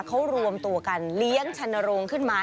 เขารวมตัวกันเลี้ยงชันโรงขึ้นมา